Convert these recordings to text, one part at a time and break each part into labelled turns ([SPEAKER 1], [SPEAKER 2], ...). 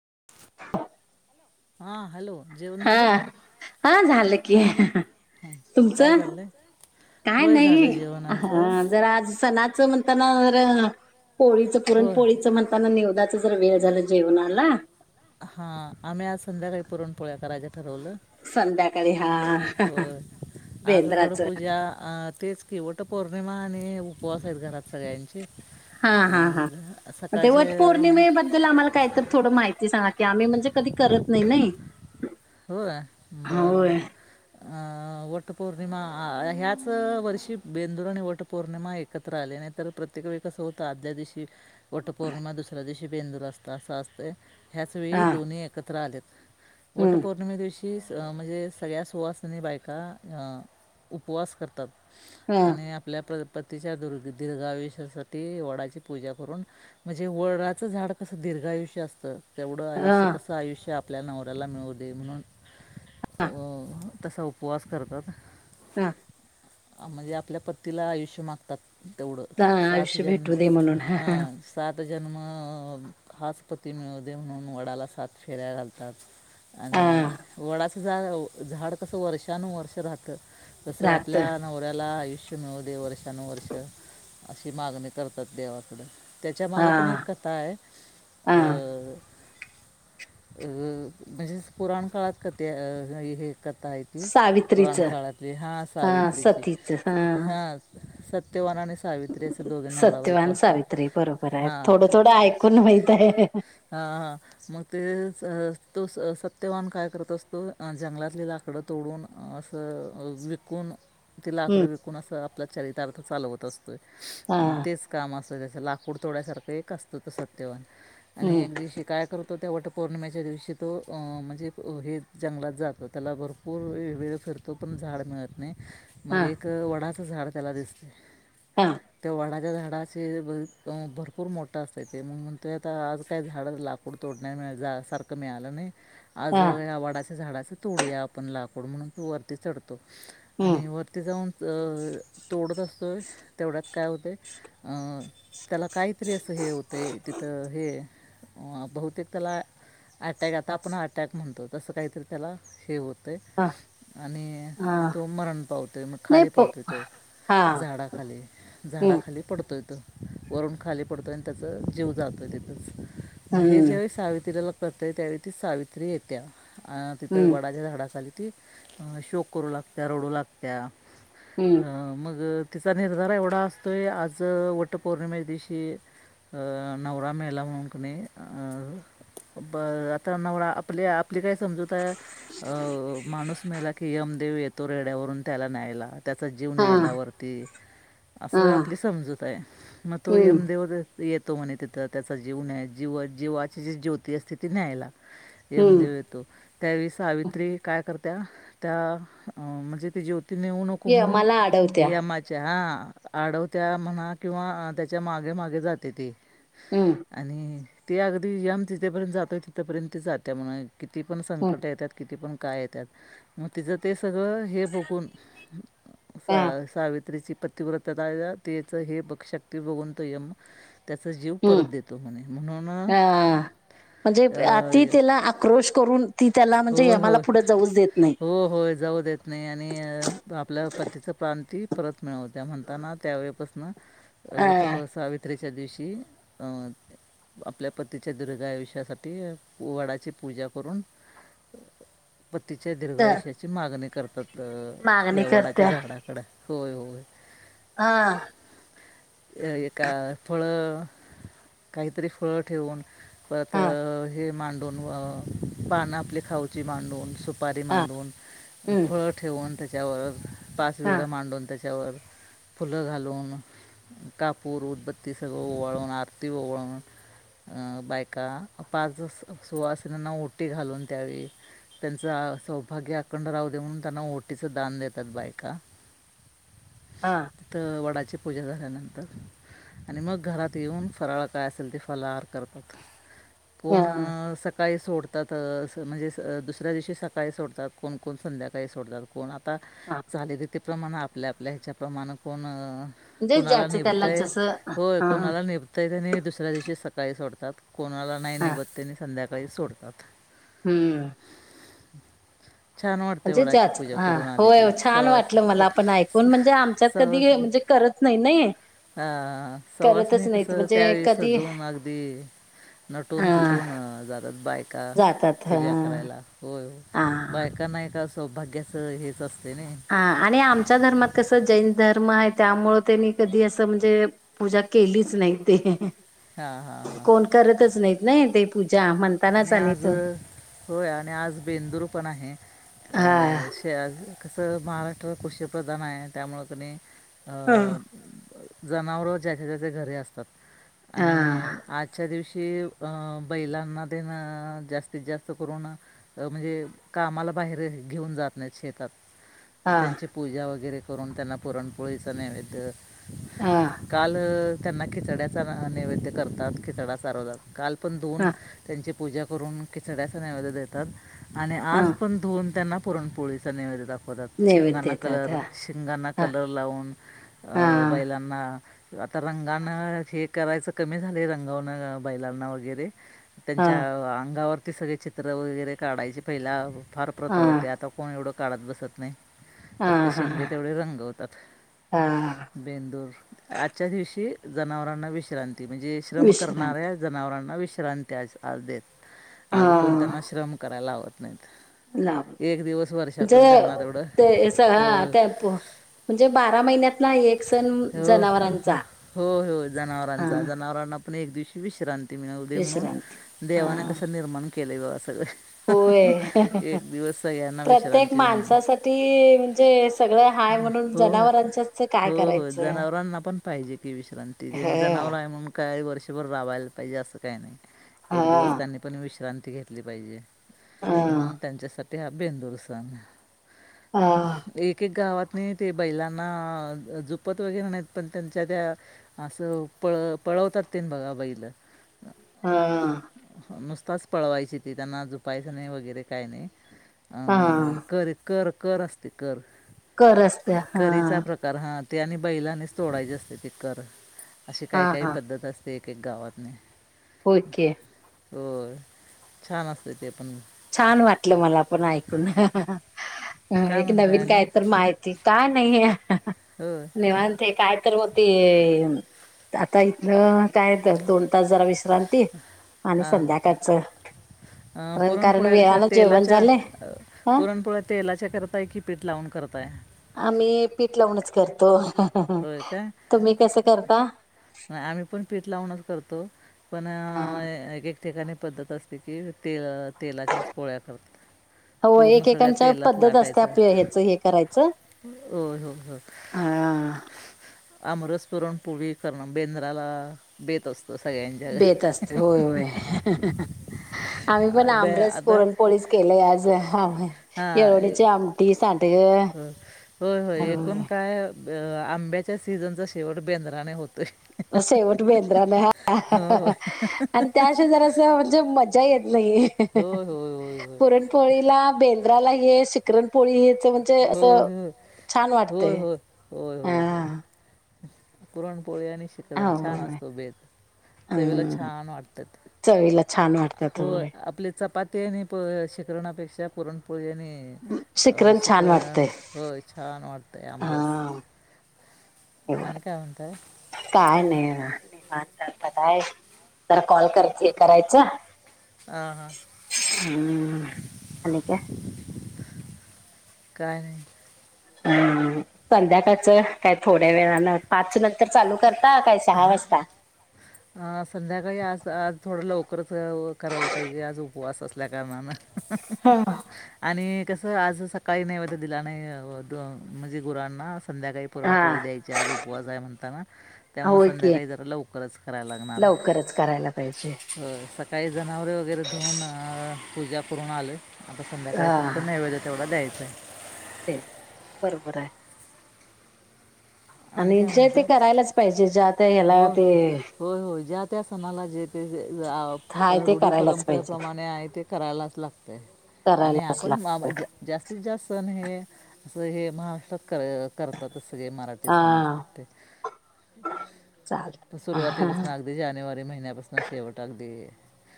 [SPEAKER 1] [unintelligible]
[SPEAKER 2] हा हॅलो. जेवण
[SPEAKER 1] हा
[SPEAKER 2] झालं
[SPEAKER 1] हा झालं की. तुमच
[SPEAKER 2] काय चाललंय
[SPEAKER 1] काय
[SPEAKER 2] होय
[SPEAKER 1] नाही,
[SPEAKER 2] झालं जेवण आमचं
[SPEAKER 1] जरा आज सणाचं म्हणताना पोळीच पुरण
[SPEAKER 2] होय
[SPEAKER 1] पोळीच म्हणता निवदाचं जर वेळ झाला जेवणाला.
[SPEAKER 2] हा आम्ही आज संध्याकाळी पुरणपोळ्या करायच ठरवलंय.
[SPEAKER 1] संध्याकाळी हा
[SPEAKER 2] हो, आज वड
[SPEAKER 1] बेंद्राचं
[SPEAKER 2] पूजा तेच कि वटपौर्णिमा आणि उपवास आहेत घरात सगळ्यांचे.
[SPEAKER 1] हा हा हा
[SPEAKER 2] अं,
[SPEAKER 1] ते
[SPEAKER 2] सकाळचे
[SPEAKER 1] वट
[SPEAKER 2] अं,
[SPEAKER 1] पौर्णिमेबद्दल आम्हाला काही तर थोडं माहिती सांगा? की आम्ही म्हणजे कधी करत नाही नाही.
[SPEAKER 2] हो बरबर
[SPEAKER 1] होय
[SPEAKER 2] अ वट पौर्णिमा ह्याच वर्षी बेंदूर आणि वटपौर्णिमा एकत्र आली नाही, तर प्रत्येक वेळसं कसंं होत, आदल्या दिवशी वटपौर्णिमा दुसऱ्या दिवशी बेंदूर असत, असं असतयं ह्याच वेळी
[SPEAKER 1] हा
[SPEAKER 2] दोन्ही एकत्र आलेत. वट
[SPEAKER 1] हम्म,
[SPEAKER 2] पौर्णिमा दिवशी शीचं म्हणजे सगळ्या सुवासनी बायका उपवास करतात.
[SPEAKER 1] हा,
[SPEAKER 2] आणि आपल्या पतीच्या दुर्घ दीर्घाआयुष्यासाठी वडाची पूजा करून म्हणजे वडाचं झाड कसं दि दीर्घायुष्य असतं. तेवढं
[SPEAKER 1] हा,
[SPEAKER 2] आयुष्य तसं आयुष्य आपल्याला नवऱ्याला मिळवू दे म्हणून
[SPEAKER 1] हा,
[SPEAKER 2] अ तसा उपवास करतात.
[SPEAKER 1] हा.
[SPEAKER 2] म्हणजे आपल्या पतीला आयुष्य मागतात. तेवढं
[SPEAKER 1] हा,
[SPEAKER 2] सात
[SPEAKER 1] आयुष्य
[SPEAKER 2] जन्म
[SPEAKER 1] भेटू दे म्हणून
[SPEAKER 2] हा सात जन्म हाच पती मिळू दे म्हणून, वडाला सात फेऱ्या घालतात. आणि
[SPEAKER 1] हा,
[SPEAKER 2] वडाचं झाड झाड कसं वर्षानुवर्ष राहतं. तस
[SPEAKER 1] रात
[SPEAKER 2] आपल्या नवऱ्याला आयुष्य मिळू दे वर्षानुवर्ष अशी मागणी करतात, देवाकडे. त्याच्यामागं
[SPEAKER 1] हा
[SPEAKER 2] पण एक कथा आहे
[SPEAKER 1] हा
[SPEAKER 2] अ अह म्हणजेच पुराण काळात कथेत राहिले. कथा आहे ती पुराण
[SPEAKER 1] सावित्रीचं
[SPEAKER 2] काळातली हा सावित्रीची हा सत्यवानाने
[SPEAKER 1] सत्यवान सावित्री बरोबर आहे
[SPEAKER 2] हां
[SPEAKER 1] थोडं थोडं ऐकून माहित आहे.
[SPEAKER 2] हा हा मग तेचं तो स -सत्यवान काय करत असतो, जंगलातली लाकडं तोडून असं विकून ती लाकडं
[SPEAKER 1] हम्म
[SPEAKER 2] विकून अस आपल्या चरितार्थ चालवत असतो
[SPEAKER 1] हा
[SPEAKER 2] तेच काम असत. लाकूड तोड्यासारखं एक असतं त सत्यवान आणि
[SPEAKER 1] हम्म
[SPEAKER 2] एक दिवशी काय करतो. तो त्या वटपौर्णिमेच्या दिवशी तो म्हणजे हे जंगलात जातो, त्याला भरपूर वेळ फिरतो पण झाड मिळत नाही. मग
[SPEAKER 1] हा
[SPEAKER 2] एक वडाचं झाड त्याला दिसते.
[SPEAKER 1] हा.
[SPEAKER 2] वाडाच्या झाडाचे भरपूर मोठं असतंय ते मग म्हणतोय, आता आज काय झाड लाकूड तोड नाही मिळाणार जा सारंख मिळाल नाही आज
[SPEAKER 1] हा
[SPEAKER 2] या वाडाच्या झाडाच तोडूया आपण लाकूड म्हणून तो वरती चढतो.
[SPEAKER 1] हम्म
[SPEAKER 2] आणि वरती जाऊन तोडत असतो तेवढ्यात काय होतयं? त्याला काहीतरी असं हे होतं तिथं हे बहुतेक त्याला अटॅक आता आपण अटॅक म्हणतो, तसं काहीतरी त्याला हे होतं
[SPEAKER 1] हा
[SPEAKER 2] आणि
[SPEAKER 1] हा
[SPEAKER 2] तो तो मरण पावतोय मग
[SPEAKER 1] नाही
[SPEAKER 2] खाली
[SPEAKER 1] प
[SPEAKER 2] पडतोय, तो
[SPEAKER 1] हा
[SPEAKER 2] झाडा खाली.
[SPEAKER 1] हम्म
[SPEAKER 2] झाडाखाली पडतोय तो वरून खाली पडतोय, आणि त्याचा जीव जातोय तिथंच. मग हे
[SPEAKER 1] हम्म
[SPEAKER 2] ज्या वेळेस सावित्रीला कळतयं त्यावेळी ती सावित्री येत्या, अ तिथं
[SPEAKER 1] हम्म
[SPEAKER 2] वडाच्या झाडाखाली ती शोक करू लागत्या. रडू लागत्या
[SPEAKER 1] हम्म
[SPEAKER 2] मग- तिचा निर्धार एवढा असतोय. आज वट पौर्णिमे दिवशी- नवरा मेला म्हणून कणी- बर. आता नवरा आपल्या, आपली काय समजूतए अ- माणूस मेला की - देव येतो रेड्यावरून त्याला न्यायला. त्याचा जीव
[SPEAKER 1] हा
[SPEAKER 2] न्यायला वरती-
[SPEAKER 1] हा
[SPEAKER 2] असं आपली समजूत आहे. मग तो
[SPEAKER 1] हम्म
[SPEAKER 2] यमदेव येतो म्हणे तिथं त्याचा जीवन आहे जीव जीवाचे जे जीव- त स्थिती आहे ते न्यायला यम
[SPEAKER 1] हम्म
[SPEAKER 2] देव येतो. त्यावेळीस सावित्री काय करत्या? त्या म्हणजे ति जी होती- त नेऊ नको
[SPEAKER 1] ये
[SPEAKER 2] म्हणून
[SPEAKER 1] मला अडवत्या
[SPEAKER 2] ते यमाच्या हा. आडवत्या म्हणा किंवा त्याच्या मागेमागे जाते ती.
[SPEAKER 1] हम्म
[SPEAKER 2] आणि- ते अगदी यम तिथेपर्यंत जातोय तिथेपर्यंत ते जात्या मंग किती पण
[SPEAKER 1] हम्म
[SPEAKER 2] संकट येतात, किती पण- काय ये त्यात मग त [unintelligible] सगळं हे बघून सा
[SPEAKER 1] हा
[SPEAKER 2] सावित्रीची- पतिवृत्तता तेच हे प शक्ती बघून तो यम - त्याचा जीव
[SPEAKER 1] हम्म
[SPEAKER 2] परत देतो म्हणे म्हणून-
[SPEAKER 1] हा म्हणजे ती त्याला आक्रोश करून, ती त्याला म्हणजे
[SPEAKER 2] होय,
[SPEAKER 1] यमाला
[SPEAKER 2] होय.
[SPEAKER 1] पुढे जाऊच देत नाही.
[SPEAKER 2] हो, होय जाऊ देत नाही आणि आपल्या पतीच प्राण ती परत मिळवत्या म्हणताना त्यावेळेपासून-
[SPEAKER 1] अ
[SPEAKER 2] वटसावित्रीच्या दिवशी अ आपल्या पतीच्या- दिर्घआयुष्यासाठी वडाची पूजा करून- पत्तीच्या दीर्घायुष्याची मागणी करतात.
[SPEAKER 1] मागणी
[SPEAKER 2] या वडाच्या
[SPEAKER 1] करत्या
[SPEAKER 2] झाडाकडे. होय होय.
[SPEAKER 1] हा
[SPEAKER 2] अ ए का फळं- काहीतरी फळ ठेवून परत
[SPEAKER 1] हा
[SPEAKER 2] -हे मा - पान आपली खाऊची मांडून- सुपारी
[SPEAKER 1] हा
[SPEAKER 2] मांडून
[SPEAKER 1] हम्म
[SPEAKER 2] फळ ठेवून त्याच्यावर पाच
[SPEAKER 1] हा
[SPEAKER 2] वळ मांडून त्या- त्यावर - फुलं घालून. कापूर, उदबत्ती सगळं ओवाळून आरती ओवळून- अ बाय का पाच सुवासीनींना ओटी घालून द्यावी. त्यांच आ सौभाग्य अखंड राहू दे म्हणून त्यांना ओटीच दान देतात बायका.
[SPEAKER 1] हा
[SPEAKER 2] त वडाची ची पूजा झाल्यानंतर आणि मग घरात येऊन फराळ काय असेल ते फलाहार कर
[SPEAKER 1] ह
[SPEAKER 2] पुन्हा स काही सोडतात अं असं स म्हणजे दुसऱ्या दिवशी सकाळी सोडतात. कोणकोण संध्याकाळी सोडतात कोण आत आता
[SPEAKER 1] हा
[SPEAKER 2] चालीरिती प्रमाणं आपल्या आपल्या ह्याच्याप्रमाणं कोण
[SPEAKER 1] म्हणजे
[SPEAKER 2] कोणाला
[SPEAKER 1] ज्याचं त्याला
[SPEAKER 2] निभतंय.
[SPEAKER 1] जसं
[SPEAKER 2] होय
[SPEAKER 1] हा
[SPEAKER 2] कोणाला निभतंय त्यानी दुसऱ्या दिवशी सकाळी सोडतात. कोणाला नाही
[SPEAKER 1] हा
[SPEAKER 2] निभत त्यानी संध्याकाळी सोडतात.
[SPEAKER 1] हम्म.
[SPEAKER 2] छान वाटते
[SPEAKER 1] म्हणजे
[SPEAKER 2] वडाची
[SPEAKER 1] छाछ.
[SPEAKER 2] पूजा
[SPEAKER 1] हा
[SPEAKER 2] करून आले
[SPEAKER 1] होय.
[SPEAKER 2] की
[SPEAKER 1] छान वाटलं
[SPEAKER 2] सहज
[SPEAKER 1] मला आपण ऐकून म्हणजे आमच्यात कधी
[SPEAKER 2] सहज
[SPEAKER 1] म्हणजे करत नाही-नाही
[SPEAKER 2] हा सवाषणी कसं त्यावेळी
[SPEAKER 1] कधी
[SPEAKER 2] सजून अगदी
[SPEAKER 1] अ
[SPEAKER 2] नटून थटून अं जातात बायका.
[SPEAKER 1] जातात ह
[SPEAKER 2] पूजा करायला. होय,
[SPEAKER 1] हा
[SPEAKER 2] हो बायकांना एक सौभाग्याचं हेच असतंय नाही?
[SPEAKER 1] हा आणि आमच्या धर्मात कस जैन धर्म आहे त्यामुळे त्यांनी कधी असं म्हणजे पूजा केलीच नाही ते.
[SPEAKER 2] हां हां हां
[SPEAKER 1] कोण करतच नाहीत ना ते- पूजा म्हणतानाच
[SPEAKER 2] आणि आज
[SPEAKER 1] तो
[SPEAKER 2] होय आणि आज बेंदूर पण आहे.
[SPEAKER 1] हा
[SPEAKER 2] अ श आज- कसं महाराष्ट्र कृषीप्रधान आहे त्यामुळं कनी
[SPEAKER 1] हा
[SPEAKER 2] अ जनावर ज्याच्या ज्याच्या घरी असतात
[SPEAKER 1] हा
[SPEAKER 2] आणि आजच्या दिवशी ती अं बैलांना ते न जास्तीत जास्त करून अ म्हणजे कामाला बाहेर घेऊन जात नाही शेतात.
[SPEAKER 1] हा
[SPEAKER 2] त्यांची पूजा वगैरे करून त्यांना पुरणपोळीचा नैवेद्य
[SPEAKER 1] हा
[SPEAKER 2] काल अ त्यांना खिचड्याचा नैवेद्य करतात, खिचडा सारवतात काल पण धुऊन
[SPEAKER 1] हा
[SPEAKER 2] त्यांची पूजा करून खिचड्याचा नेवैद्य देतात. आणि
[SPEAKER 1] हा
[SPEAKER 2] आज पण धुऊन त्यांना पुरणपोळीचा नैवैद्य दाखवतात. तात
[SPEAKER 1] नैवेद्य
[SPEAKER 2] शिंगांना
[SPEAKER 1] देतात
[SPEAKER 2] कलर-शींगांना
[SPEAKER 1] हा
[SPEAKER 2] कलर लावून
[SPEAKER 1] हा
[SPEAKER 2] अ बैलांना आता रंगाण हे करायचं कमी झालयं रंगवण बैलांना वगैरे.
[SPEAKER 1] हा
[SPEAKER 2] त्यांच्या अंगावरती सगळे चित्र वगैरे काढायचे पहिला फार
[SPEAKER 1] हा
[SPEAKER 2] प्रथा होती, आता कोण एवढं काढत बसत नाही.
[SPEAKER 1] हा
[SPEAKER 2] फक्त
[SPEAKER 1] हा
[SPEAKER 2] शिंगे
[SPEAKER 1] हा
[SPEAKER 2] तेवढे रंगवतात.
[SPEAKER 1] हा
[SPEAKER 2] बेंदूर आजच्या दिवशी जनावरांना विश्रांती म्हणजे श्रम
[SPEAKER 1] विश्रांती
[SPEAKER 2] करणाऱ्या जनावरांना विश्रांती आज-आज देतात.
[SPEAKER 1] हा
[SPEAKER 2] आज कोण त्यांना श्रम करायला लावत नाहीत
[SPEAKER 1] नाही.
[SPEAKER 2] एक दिवस
[SPEAKER 1] ज
[SPEAKER 2] वर्षातून त्यांना तेवढं
[SPEAKER 1] ते हेच हा
[SPEAKER 2] होय
[SPEAKER 1] टेम्पो म्हणजे बारा महिन्यात ला एक सण
[SPEAKER 2] हो
[SPEAKER 1] जनावरांचा
[SPEAKER 2] हो होय होय
[SPEAKER 1] हा
[SPEAKER 2] जनावरांचा जनावरांना पण एक दिवशी विश्रांती मिळु दे म्हणून,
[SPEAKER 1] विश्रांती हा
[SPEAKER 2] देवाने कस निर्माण केलंय बघा सगळं.
[SPEAKER 1] होय,
[SPEAKER 2] एक दिवस सगळ्यांना
[SPEAKER 1] प्रत्येक
[SPEAKER 2] विश्रांती म्हणून
[SPEAKER 1] माणसासाठी म्हणजे सगळं हाय, म्हणून जनावरांच्याचं
[SPEAKER 2] हो-हो जनावरांना पण पाहिजे, की विश्रांती
[SPEAKER 1] हे
[SPEAKER 2] ते जनावर
[SPEAKER 1] हा
[SPEAKER 2] आहे म्हणून काय काही वर्षभर राबवायला पाहिजे, असं काही नाही एक दिवस त्यांनी पण विश्रांती घेतली पाहिजे.
[SPEAKER 1] हा
[SPEAKER 2] म्हणून त्यांच्यासाठी हा बेंदूर सण
[SPEAKER 1] हा
[SPEAKER 2] एक-एक गावात नाही ते बैलांना झुपत वगैरे नाहीत, पण त्यांच्या त्या असं पळ- पळवतात ते बघा बैलं.
[SPEAKER 1] हा.
[SPEAKER 2] नुसताच पळवायची ती त्यांना झुपायचं नाही वगैरे काय नाही. अ
[SPEAKER 1] हा
[SPEAKER 2] कर कर कर असते कर.
[SPEAKER 1] कर असते हा.
[SPEAKER 2] करीचा प्रकार ते आणि बैलानेच तोडायचे असते ते कर अशी
[SPEAKER 1] हा
[SPEAKER 2] काय काय
[SPEAKER 1] हा
[SPEAKER 2] पद्धत असते. गावात नाही.
[SPEAKER 1] होय की.
[SPEAKER 2] होय, छान! असत ते पण
[SPEAKER 1] छान! वाटलं मला पण ऐकून. अ
[SPEAKER 2] काय
[SPEAKER 1] एक
[SPEAKER 2] म्हणताय
[SPEAKER 1] नवीन
[SPEAKER 2] आणि
[SPEAKER 1] काय तर माहिती का नाही.
[SPEAKER 2] होय
[SPEAKER 1] निवांत काय तर बघ ते आता इथ काय तर दोन तास जरा विस विश्रांती आणि
[SPEAKER 2] हां
[SPEAKER 1] संध्याकाळच [unintelligible]
[SPEAKER 2] पोळ्या कशा तेलाच्या
[SPEAKER 1] हा
[SPEAKER 2] पुरणपोळी तेलाच्या करताय कि पीठ लावून करताय?
[SPEAKER 1] असं करतो,
[SPEAKER 2] होय काय
[SPEAKER 1] तुम्ही कस करता?
[SPEAKER 2] आम्ही पण पीठ लावूनच करतो पण एक ठिकाणी पद्धत असते की, ते -तेलाच्याच पोळ्या करतात.
[SPEAKER 1] हो
[SPEAKER 2] पूर्ण सगळ्या
[SPEAKER 1] एकेकांच्या
[SPEAKER 2] तेलात
[SPEAKER 1] पद्धत असते,
[SPEAKER 2] लाटायचं
[SPEAKER 1] आपल्या ह्याच हे करायचं.
[SPEAKER 2] होय, हो हो
[SPEAKER 1] हा
[SPEAKER 2] [unintelligible] आमरस पुरणपोळी करण बेंद्राला बेत असतो. सगळ्यांच्या
[SPEAKER 1] बेत असतोय होय होय. आम्ही पण
[SPEAKER 2] घरी बे
[SPEAKER 1] आमरस
[SPEAKER 2] आता
[SPEAKER 1] पुरणपोळीच केलेयं आज येळवणीची आमटी, सांडग
[SPEAKER 2] हो होय हो एकूण
[SPEAKER 1] होय
[SPEAKER 2] काय? अ आंब्याच्या सीझनचा शेवट बेंद्राने होतो.
[SPEAKER 1] शेवट बेंद्राने हा हाहा
[SPEAKER 2] होय
[SPEAKER 1] आणि त्याशजार अस म्हणजे मज्जा येत नाही रे
[SPEAKER 2] होय होय होय
[SPEAKER 1] पुरणपोळीला बेंद्राला ये शिकरणपोळी ते म्हणजे अस
[SPEAKER 2] होय होय
[SPEAKER 1] छान वाटत
[SPEAKER 2] होय होय
[SPEAKER 1] ह
[SPEAKER 2] पुरण पोळीआणि शिखरण छान
[SPEAKER 1] होय
[SPEAKER 2] असतो बेद चवीला
[SPEAKER 1] हम्म
[SPEAKER 2] छान वाटत
[SPEAKER 1] चवीला
[SPEAKER 2] ते
[SPEAKER 1] छान वाटतात
[SPEAKER 2] होय आपले चपाती त्यानी प शिखरणापेक्षा पुरणपोळी आणि
[SPEAKER 1] शिकरण
[SPEAKER 2] शिक
[SPEAKER 1] छान
[SPEAKER 2] पुरण
[SPEAKER 1] वाटतंय
[SPEAKER 2] होय छान वाटत आम रस
[SPEAKER 1] हा [inaudible] काय नाही पण तर काय तर कॉल कराच करायचं
[SPEAKER 2] हां हां
[SPEAKER 1] हम्म अले काय
[SPEAKER 2] काय नाही
[SPEAKER 1] हम्म संध्याकाळचं काय थोड्या वेळान पाच नंतर चालू कर
[SPEAKER 2] हा संध्याकाळी आज आज थोडं लवकर हो करायला पाहिजे आज उपवास असल्या कारणानं
[SPEAKER 1] हा.
[SPEAKER 2] आणि कस आज सकाळी नैवेद्य दिला नाहीअ द म्हणजे गुरांना संध्याकाळी पुरण पोळी
[SPEAKER 1] हा
[SPEAKER 2] द्यायची आज उपवास आहे म्हणताना त्यामुळे
[SPEAKER 1] होय की
[SPEAKER 2] संध्याकाळी जरा लवकरच करायला लागणार
[SPEAKER 1] लवकरच करायला पाहिजे
[SPEAKER 2] आहे स काही जनावरे वगैरे धुऊन पूजा करून आलेत. आता संध्याकाळी
[SPEAKER 1] हा
[SPEAKER 2] फक्त
[SPEAKER 1] हा
[SPEAKER 2] नैवेद तेवढा द्यायचा
[SPEAKER 1] ते बरोबर आहे.
[SPEAKER 2] आणि काय
[SPEAKER 1] जे ते
[SPEAKER 2] म्हणतय
[SPEAKER 1] करायलाच पाहिजे ज्या त्या ह्याला
[SPEAKER 2] हो
[SPEAKER 1] ते
[SPEAKER 2] हो हो होय ज्या त्या सणाला जेते जे अ
[SPEAKER 1] हाय ते
[SPEAKER 2] रुढी
[SPEAKER 1] करायलाच पाहिजे
[SPEAKER 2] परंपरेप्रमाणे आहे ते करायलाच लागतय. आणि
[SPEAKER 1] करायलाच
[SPEAKER 2] आपण मा
[SPEAKER 1] लागत
[SPEAKER 2] जास्तीत जास्त सण हे असं हे महाराष्ट्रात कर करतात स मराठी
[SPEAKER 1] हा
[SPEAKER 2] आ सते
[SPEAKER 1] चालत.
[SPEAKER 2] सुरुवातीपासून अगदी जानेवारी महिन्यापासून शेवट अगदी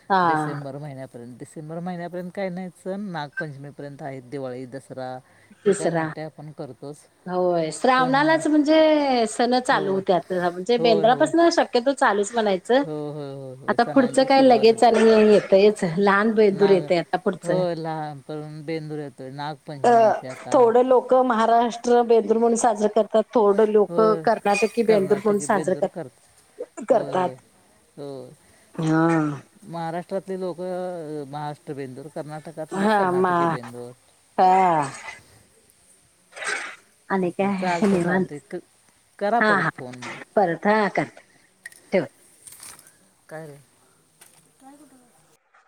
[SPEAKER 1] हा
[SPEAKER 2] डिसेंबर महिन्या पर्यंत डिसेबर महिन्यापर्यंत काही नाही सन नागपंचमी पर्यंत आहे. दिवाळीस दसरा रा हे काय
[SPEAKER 1] तिसरा
[SPEAKER 2] मोठे आपण करतोच
[SPEAKER 1] होय
[SPEAKER 2] पण अं
[SPEAKER 1] श्रावणालाच म्हणजे सण चालू होतात म्हणजे
[SPEAKER 2] होय हो
[SPEAKER 1] बेंद्रापासून शक्यतो चालूच म्हणायचं.
[SPEAKER 2] हो हो हो हो
[SPEAKER 1] आता पुढचं
[SPEAKER 2] सणांची
[SPEAKER 1] काय लगेच
[SPEAKER 2] सुरुवातच
[SPEAKER 1] चाल नाही येतयच लहान बेदूर
[SPEAKER 2] नाग
[SPEAKER 1] येतय आता
[SPEAKER 2] हो
[SPEAKER 1] पुढचं.
[SPEAKER 2] लहानपण बेंदूर येतय नागपंच
[SPEAKER 1] अ थोडं लोक महाराष्ट्र बेंदूर म्हणून साजरं करत तर थोडं लोक
[SPEAKER 2] होय
[SPEAKER 1] करनाटकी बेंदूर म्हणुन
[SPEAKER 2] कर्नाटकी
[SPEAKER 1] साजरं
[SPEAKER 2] बेंदूर
[SPEAKER 1] करतात. ते पण
[SPEAKER 2] होय होय
[SPEAKER 1] करतात हा
[SPEAKER 2] तर ती लोक महाराष्ट्र बेंदूर कर्नाटकातली
[SPEAKER 1] हा म
[SPEAKER 2] कर्नाटकी
[SPEAKER 1] हा
[SPEAKER 2] बेंदूर
[SPEAKER 1] हा आणि
[SPEAKER 2] असं
[SPEAKER 1] काय
[SPEAKER 2] चालते
[SPEAKER 1] निवांत.
[SPEAKER 2] चालते क करा
[SPEAKER 1] हा
[SPEAKER 2] परत
[SPEAKER 1] हा
[SPEAKER 2] फोन मग
[SPEAKER 1] परत हा करते. ठेव
[SPEAKER 2] काय रे काय कुठ